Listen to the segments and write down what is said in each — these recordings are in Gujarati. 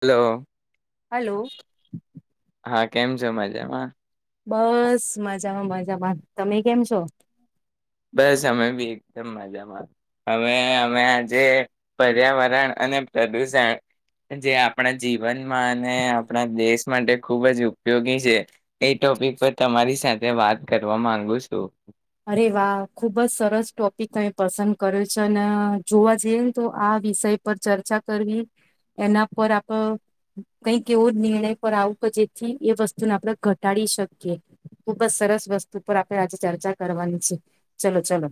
હલો. હલો. હા કેમ છે મજામાં? બસ મજામાં મજામાં તમે કેમ છો? બસ અમે બી એકદમ મજામાં અવે અમે આજે પર્યાવરણ અને પ્રદુષણ જે આપણા જીવનમાં અને આપણા દેશ માટે ખુબ જ ઉપયોગી છે એ ટોપિક પર તમારી સાથે વાત કરવા માંગુ છું. અરે વાહ ખુબ જ સરસ ટોપિક અ પસંદ કર્યો છે અને જોવા જઈએ ને તો આ વિષય પર ચર્ચા કરવી એના પર આપડ કઈક એવો નિર્ણય પર આવું કે જેથી એ વસ્તુને આપડણે ઘટાડી શકીએ ખુબજ સરસ વસ્તુ પર આપણે આજે ચર્ચા કરવાની છે ચલો ચલો.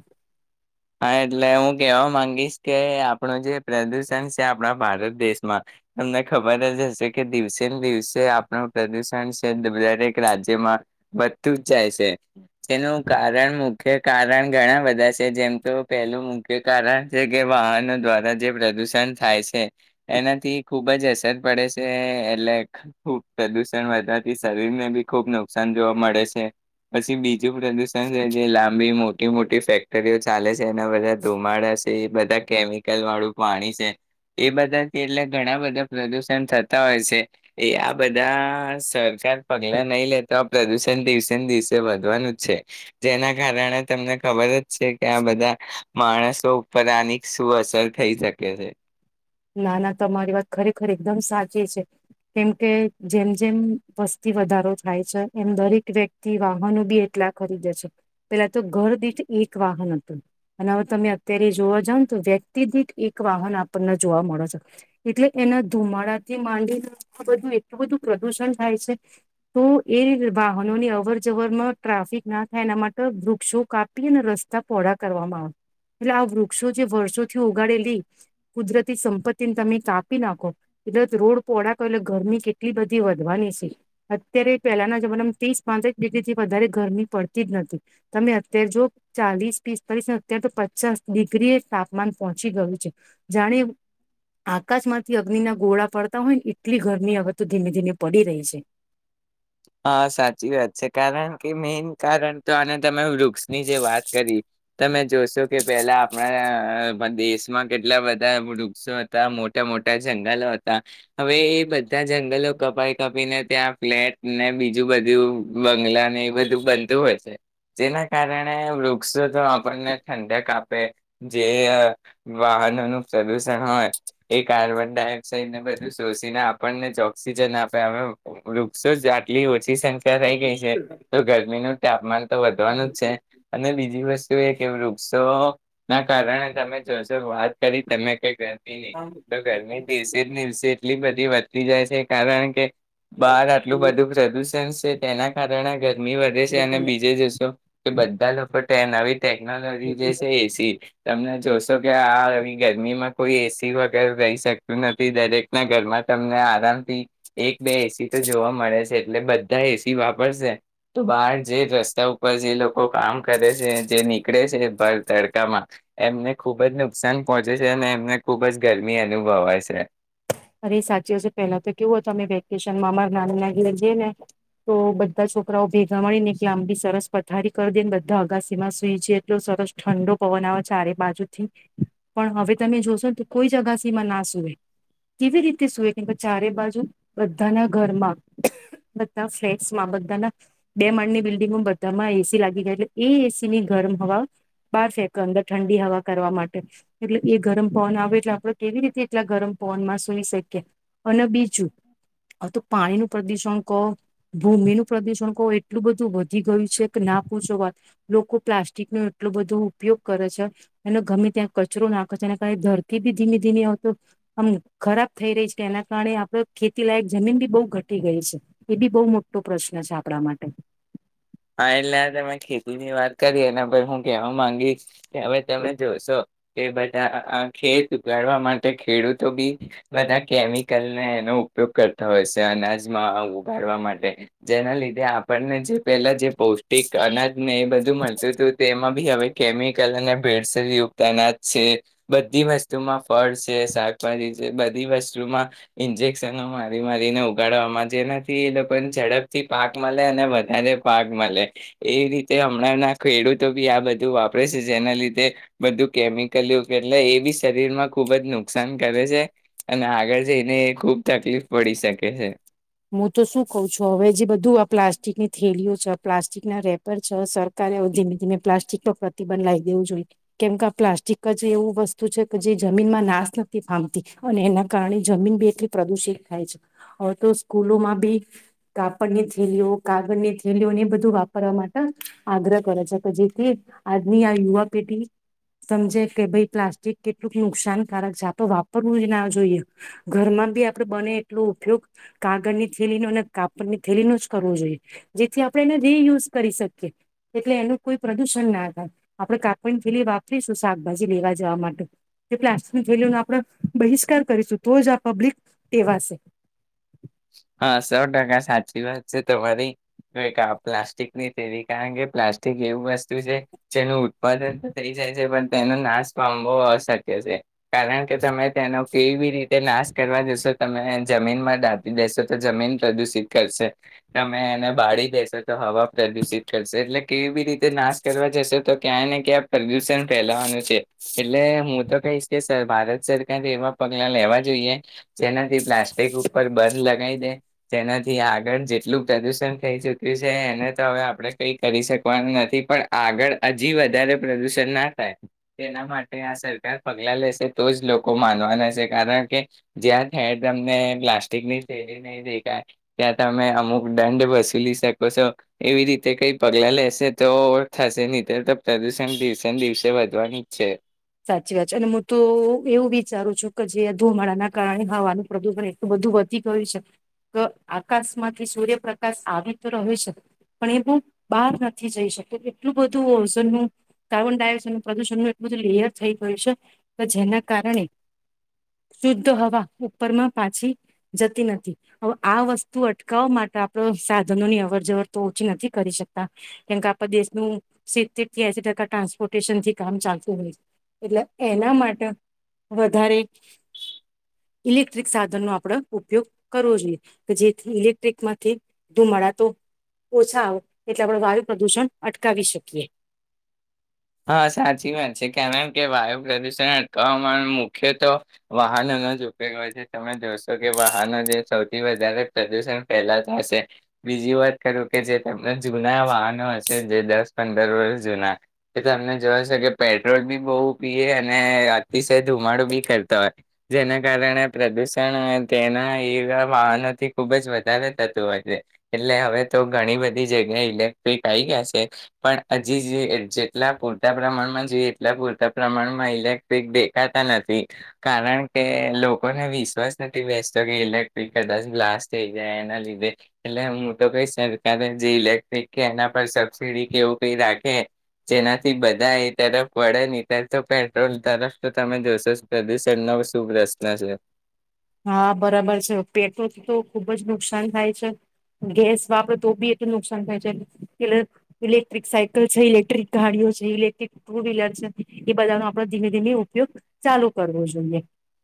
હા એટલે હું કેહેવા માંગીશ કે આપણું જે પ્રદુષણ છે આપણા ભારત દેશમાં તમને ખબર જ હશે કે દિવસે ને દિવસે આપણ પ્રદુષણ છે દરેક રાજ્યમાં વધતું જ જાય છે તેનું કારણ મુખ્ય કારણ ઘણા બધા છે જેમ તો પહેલું મુખ્ય કારણ છે કે વાહનો દ્વારા જે પ્રદૂષણ થાય છે એનાથી ખૂબ જ અસર પડે છે એટલે ખૂબ પ્રદુષણ વધવાથી શરીરને બી ખૂબ નુકસાન જોવા મળે છે પછી. હ પ્રદુષણ છે જે લાંબી મો મોટી મોટી ફેક્ટરીઓ છે. ચાલે છે એના બધા ધુમાડા છે એ બધા કેમિકલ વાળું પાણી છે એ બધાથી એટલે ઘણા બધા પ્રદુષણ થતા હોય છે એ આ બધા સરકાર પગલા નહી લેતો આ પ્રદુષણ દિવસે ને દિવસે વધવાનું જ છે જેના કારણે તમને ખબર જ છે. ત્યાં બધા માણસો ઉપર આની શું અસર થઈ શકે છે. ના ના તમારી વાત ખરેખર એકદમ સાચી છે કેમ કે જેમ જેમ વસ્તી વધારો થાય છે એમ દરેક વ્યક્તિ વાહનો બી એટલા ખરીદે છે પેલા તો ઘર દીઠ એક વાહન હતું અને હવે તમે અત્યારે જોવા જાવ ને તો વ્યક્તિ દીઠ એક વાહન આપણને જોવા મળ છે એટલે એના ધુમાડાથી માંડીને બધું એટલું બધું પ્રદુષણ થાય છે તો એ વાહનોની અવર જવરમાં ટ્રાફિક ના થાય એના માટે વૃક્ષો કાપી અને રસ્તા પહળા કરવામાં આવે એટલે આ વૃક્ષો જે વર્ષોથી ઉગાડેલી કુદરત તિ તમે કાપી નાખો કર રોડ પહોળા એટલે ગરમી કેટલી બધી વધવાની છે અત્યારે પહેલાના જમાનામાં ત્રીસ પાંત્રીસ ડિગ્રી થી વધારે ગરમી પડતી જ નથી તમે અત્યારે જો ચાલીસ પિસ્તાલીસ અત્યારે તો પચાસ ડિગ્રી તાપમાન પહોંચી ગયું છે જાણે આકાશમાંથી અગ્નિના ગોળા પડતા હોયને એટલી ઘરની અગતો ધીમે ધીમે પડી રહી છે. હા સાચી વાત છે કારણ કે મેન કારણ તો આને તમે વૃક્ષની જે વાત કરી તમે જોશો કે પેલા આપણા દેશમાં કેટલા બધા વૃક્ષો હતા મોટા મોટા જંગલો હતા હવે એ બધા જંગલો કપાઈ કપીને ત્યાં ફ્લેટ ને બીજું બધું બંગલા ને એ બધું બનતું હોય છે જેના કારણે વૃક્ષો તો આપણને ઠંડક આપે જે વાહનોનું પ્રદુષણ હોય એ કાર્બન ડાયોક્સાઇડને બધું શોષીને આપણને જ ઓક્સિજન આપે વૃક્ષ બસ આટલી હોય છે. સંખ્યા રહી ગઈ છે તો ગરમીનું તાપમાન તો વધવાનું જ છે અને બીજી વસ્તુ એ કે વૃક્ષો ના કારણે તમે જોશો વાત કરી તમે ક નહી નહીં ગરમી દિવસે દિવસે એટલી બધી વધતી જાય છે કારણ કે બાર મધુ પ્રધુ જનશે તેના કારણે ગરમી વધે છે. અને બીજે જશો કે બધા લફટ તેનાવી ટેકનોલોજી જસે એસી તમને જોશો કે આ આવી ગરમીમાં કોઈ એસી વગેર રહી શકતું નથી. દરેક ના ઘરમાં તમને આરામથી એક બે એસી તો જોવા મળે છે. એટલે બધા એસી વાપરશે તો બહાર જે રસ્તા ઉપર જે લોકો કામ કરે છે. જે નીકળે છે. ભર તડકામાં એમને ખૂબ જ નુકસાન પહોંચે છે. અને એમને ખૂબ જ ગરમી અનુભવાય શે. અરે સાચી હશે પહેલા તો કેવું હતું અમે વેકેશનમાં અમારા નાની ના ઘેરે જઈએ, ને તો બધા છોકરાઓ ભેગા મળી ને કે આમ બી સરસ પથારી કરી દે. ને બધા અગાસીમાં સુઈ જએ. એટલો સરસ ઠંડો પવન આવે ચારે બાજુ થી. પણ હવે તમે જોશો ને તો કોઈ જ અગાસીમાં ના સુવે કેવી રીતે શું? કેમ કે ચારે બાજુ બધાના ઘરમાં, બધા ફ્લેટસમાં, બધાના બે માંડની બિલ્ડિંગોમાં, બધામાં એસી લાગી ગયા છે. એ એસી ની ગરમ હવા બહાર ફેંક અંદર ઠંડી હવા કરવા માટે. એટલે એ ગરમ પવન આવે એટલે આપડ કેવી રીતે એટલા ગરમ પવન મા સઈ શકીએ. અને બીજું હ તો પાણી નું પ્રદુષણ કહો, ભૂમિનું પ્રદુષણ કહો, એટલું બધું વધી ગયું છે કે ના પૂછો વાત. લોકો પ્લાસ્ટિક નુ એટલું બધું ઉપયોગ કરે છે. અને ગમે ત્યાં કચરો નાખે છે. અને કાર ધરતી બી ધીમે ધીમે આવતો આમ ખરાબ થઈ રહી છે, એના કારણે આપડે ખેતી લાયક જમીન બી બહુ ઘટી ગઈ છે. એ બી બહુ મોટો પ્રશ્ન છે આપણા માટે. હા એટલે આ તમે ખેતીની વાત કરી એના પર હું કહેવા માંગીશ, કે હવે તમે જોશો કે બધા ખેત ઉગાડવા માટે ખેડૂતો બી બધા કેમિકલને એનો ઉપયોગ કરતા હોય છે. અનાજમાં ઉગાડવા માટે જેના લીધે આપણને જ પેલા જે પૌષ્ટિક અનાજ ને એ બધું મળતું હતું તે એમાં બી હવે કેમિકલ અને ભેળસેલ યુક્તનાજ છે. બધી વસ્તુમાં ફળ છે, શાકભાજી છે, બધી વસ્તુમાં ઇન્જેકશનો મારી મારીને ઉગાડવામાં. જેનાથી એ લોકોને ઝડપથી પાક મળે અને વધારે પાક મળે. એ રીતે હમણાં ના ખેડૂતો બી આ બધું વાપરે શે. જેના લીધે બધું કેમિકલયુગ એટલે એ બી શરીર માં ખુબ જ નુકસાન કરે છે. અને આગળ જઈને ખુબ તકલીફ પડી શકે છે. હું તો શું કહ છું હવે જે બધું આ પ્લાસ્ટિકની થેલીઓ છે, પ્લાસ્ટિક ના રેપર છે, સરકારે ધીમે ધીમે પ્લાસ્ટિક પર પ્રતિબંધ લાવી દેવું જોઈએ. કેમ કે આ પ્લાસ્ટિક જ એવું વસ્તુ છે કે જે જમીનમાં નાશ નથી પામતી. અને એના કારણે જમીન બી એટલી પ્રદુષિત થાય છે. હવે તો સ્કૂલોમાં બી કાપડની થેલીઓ કાગળ ની થેલીઓને એ બધું વાપરવા માટે આગ્રહ કરે છે. કે જેથી આજની આ યુવા પેઢી સમજે કે ભાઈ પ્લાસ્ટિક કેટલુંક નુકસાનકારક છે. આપણે વાપરવું જ ના જોઈએ. ઘરમાં બી આપડે બને એટલો ઉપયોગ કાગળની થેલી નો અને કાપડની થેલી નુ જ કરવો જોઈએ. જેથી આપણે એને રિયુઝ કરી શકીએ. એટલે એનું કોઈ પ્રદુષણ ના થાય. આપણે કાપડની થેલી વાપરીશું શાકભાજી લેવા જવા માટે, તો પ્લાસ્ટિકની થેલીનો આપણે બહિષ્કાર કરીશું. તો જ આ પબ્લિક ટેવાશે. હા સો ટકા સાચી વાત છે તમારી. તો એક આ પ્લાસ્ટિકની થેલી કારણ કે પ્લાસ્ટિક એવું વસ્તુ છે, જેનું ઉત્પાદન તો થઈ જાય છે. પણ તેનો નાશ પામવો અશક્ય છે. કારણ કે તમે તેનો કેઈ બી રીતે નાશ કરવા જશો તમે જમીનમાં દા તો જમીન પ્રદુષિત કરશે. તમે એને બાળી દેશો તો હવા પ્રદુષિત કરશે. એટલે કેવી રીતે નાશ કરવા જશો તો ક્યાંય ને ક્યાં પ્રદુષણ ફેલાવાનું છે. એટલે હું તો કહીશ કે સ ભારત સરકારે એવા પગલા લેવા જોઈએ, જેનાથી પ્લાસ્ટિક ઉપર બ લગાવ દે, જેનાથી આગળ જેટલું પ્રદુષણ થઈ ચુક્યું છે એને તો હવે આપણે કઈ કરી શકવાનું નથી. પણ આગળ હજી વધારે પ્રદુષણ ના થાય તેના માટે આ સરકાર પગલા લેશે તો જ લોકો માનવાના છે. કારણ કે જ્યાં ખેર તમને પ્લાસ્ટિકની થેલી નહી દેખાય. ત્યાં તમે અમુક દંડ વસૂલી શકો છો. એવી રીતે કઈ પગલા લેશે તો થશે નહી તો તો પ્રદુષણ દિવસે ને દિવસે વધવાનુજ છે. સાચી વાત છે. અને હું તો એવું વિચારું છું કે, જે ધુમાડાના કારણે હવાનું પ્રદુષણ એટલું બધું વધી ગયું છે. ક આકાશમાંથી સૂર્યપ્રકાશ આવી તો રહે છે. પણ એ બું બહાર નથી જઈ શકતો. એટલું બધું ઓઝનનું કાર્બન ડાયોક્સાઇડનું પ્રદુષણનું એટલું બધું લેયર થ ગયું છે. કે જેના કારણે શુદ્ધ હવા ઉપરમાં પાછી જતી નથી. હવે આ વસ્તુ અટકાવવા માટે આપડ સાધનોની અવર જવર તો ઓછી નથી કરી શકતા. કેમકે આપ દેશનું સિતતેર થી એસી ટકા ટ્રાન્સપોર્ટેશન થી કામ ચાલતું હોય છે. એટલે એના માટે વધારે ઇલેક્ટ્રિક સાધનનો આપણે ઉપયોગ કરવો જોઈએ. કે જેથી ઇલેક્ટ્રિક માંથી ધુમાડા તો ઓછા આવે એટલે આપણે વાયુ પ્રદુષણ અટકાવી શકીએ. હા સાચી વાત છે. કારણ કે વાયુ પ્રદુષણ અટકાવવામાં મુખ્ય તો વાહનોનો જ ઉપયોગ હોય છે. તમે જોશો કે વાહનો જે સૌથી વધારે પ્રદુષણ ફેલાતા હશે. બીજી વાત કરું કે જે તમને જૂના વાહનો હશે, જે દસ પંદર વર્ષ જૂના તમને જોશે કે પેટ્રોલ બી બહુ પીએ અને અતિશય ધુમાડું બી કરતા હોય. જેના કારણે પ્રદુષણ તેના એવા વાહનોથી ખુબ જ વધારે થતું હોય છે. એટલે હવે તો ઘણી બધી જગ્યાએ ઇલેક્ટ્રિક આવી ગયા છે. પણ હજી એટલા પૂરતા પ્રમાણમાં જોઈએ એટલા પૂરતા પ્રમાણમાં ઇલેક્ટ્રિક દેખાતા નથી. કારણ કે લોકોને વિશ્વાસ નથી બેસતો કે ઇલેક્ટ્રિક કદાચ બ્લાસ્ટ થઈ જાય. એના લીધે એટલે હું તો કઈ સરકારે જે ઇલેક્ટ્રિક કે એના પર સબસીડી કેવું કઈ રાખે જેનાથી બધા એ તરફ વળે. ને ત્યારે તો પેટ્રોલ તરફ તો તમે જોશો પ્રદુષણ નો શું પ્રશ્ન છે. હા બરાબર છે. પેટ્રોલથી તો ખુબ જ નુકસાન થાય છે. ગેસ વાપરે તો બી એટલું નુકસાન થાય છે. એટલે ઇલેક્ટ્રિક સાયકલ છે, ઇલેક્ટ્રિક ગાડીઓ છે, ઇલેક્ટ્રિક ટુ વ્હીલર છે, એ બધાનો આપડ ધીમે ધીમે ઉપયોગ ચાલુ કરવો જોઈએ.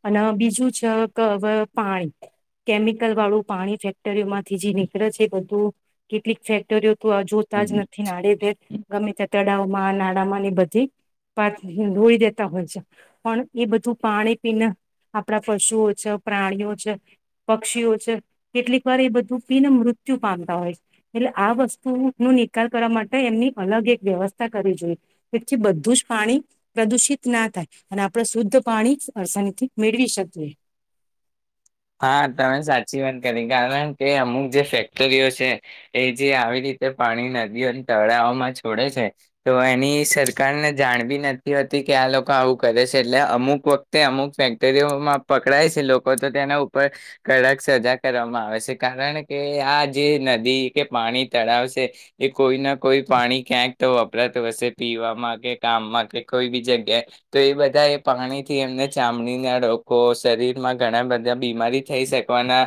અને બીજું છે ક વ પાણી કેમિકલ વાળું પાણી ફેક્ટરીઓ માંથી જે નીકળે છે. બધું કેટલીક ફેક્ટરીઓ તો જોતા જ નથી નાડેદેર ગમે તે તળાવમાં, નાળામાં ની બધી પાત રોઈ દેતા હોય છે. પણ એ બધું પાણી પીને આપણા પશુઓ પ્રાણીઓ છે, પક્ષીઓ છે કેટલીક વાર એ બધું પીને મૃત્યુ પામતા હોય છે. એટલે આ વસ્તુ નો નિકાલ કરવા માટે એમની અલગ એક વ્યવસ્થા કરવી જોઈએ. જેથી બધું જ પાણી પ્રદુષિત ના થાય. અને આપણે શુદ્ધ પાણી અડસાનીથી મેળવી શકીએ. હા તમે સાચી વાત કરી કારણ કે અમુક જે ફેક્ટરીઓ છે એ જે આવી રીતે પાણી નદીઓ તળાવઓમાં છોડે છે. તો એની સરકારને જાણ ભી નથી હોતી કે આ લોકો આવું કરે છે. એટલે અમુક વખતે અમુક ફેક્ટરીઓમાં પકડાય છે લોકો તો તેના કડક સજા કરવામાં આવે છે. કારણ કે આ જે નદી કે પાણી તળાવ છે એ કોઈ ના કોઈ પાણી ક્યાંક તો વપરાતું હશે, પીવામાં કે કામમાં કે કોઈ બી જગ્યાએ. તો એ બધા એ પાણીથી એમને ચામડી ના રોકો શરીરમાં ઘણા બધા બીમારી થઈ શકવાના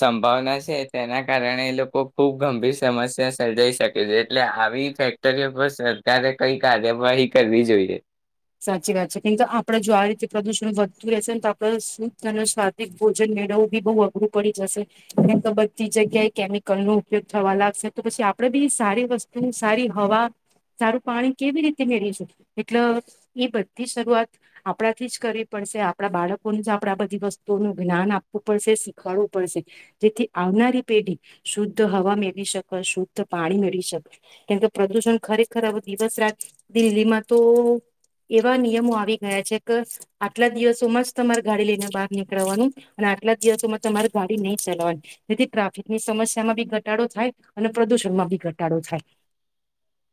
સંભાવના છે. તેના કારણે એ લોકો ખૂબ ગંભીર સમસ્યા સર્જાઈ શકે છે. એટલે આવી ફેક્ટરીઓ પર સરકારે કઈ કાર્યવાહી કરવી જોઈએ. સાચી વાત છે. કેમ કે આપડે જો આ રીતે પ્રદુષણ વધતું રહેશે ને તો આપણે શુદ્ધ અને સ્વાદિક ભોજન મેળવવું બી બહુ અઘરું પડી જશે. કેમ તો બધી જગ્યાએ કેમિકલ નો ઉપયોગ થવા લાગશે, તો પછી આપડે બી સારી વસ્તુ સારી હવા સારું પાણી કેવી રીતે મેળવીશું? એટલે એ બધી શરૂઆત આપણાથી જ કરવી પડશે. આપણા બાળકોને જ આપણે આ બધી વસ્તુઓનું જ્ઞાન આપવું પડશે શીખવાડવું પડશે. જેથી આવનારી પેઢી શુદ્ધ હવા મેળવી શકે શુદ્ધ પાણી મેળવી શકશે. કેમકે પ્રદુષણ ખરેખર દિવસ રાત દિલ્હીમાં તો એવા નિયમો આવી ગયા છે, કે આટલા દિવસોમાં જ તમારે ગાડી લઈને બહાર નીકળવાનું અને આટલા દિવસોમાં તમારે ગાડી નહી, ચલાવવાની જેથી ટ્રાફિકની સમસ્યામાં બી ઘટાડો થાય અને પ્રદુષણમાં બી ઘટાડો થાય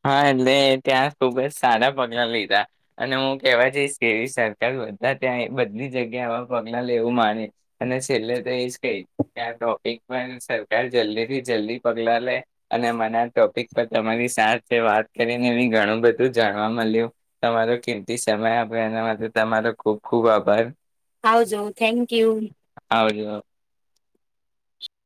હા એટલે ત્યાં ખુબ જ સારા પગલા લીધા અને હું કેવા જઈશ, કે સરકાર બધા ત્યાં બધી જગ્યામાં પગલા લેવું માને અને છેલ્લે તો એ જ કે ત્યાં ટોપિક પર સરકાર જલ્દી થી જલ્દી પગલા લે અને મને ટોપિક પર તમારી સ તે વાત કરીને એ ઘણું બધું જાણવા મળ્યું તમારો કેમતી સમય આપ્યો એના માટે તમારો ખુબ ખુબ આભાર. આવજો થેન્ક યુ આવજો